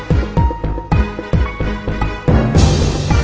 คุณต้องกำลังพิจารณา